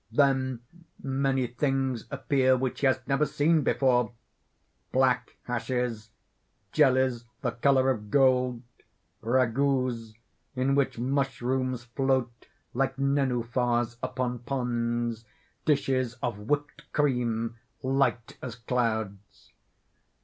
Then many things appear which he has never seen before black hashes, jellies, the color of gold, ragouts in which mushrooms float like nenuphars upon ponds, dishes of whipt cream light as clouds.